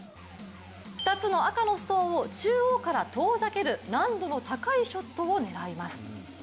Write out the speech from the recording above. ２つの赤のストーンを中央から遠ざける難度の高いショットを狙います。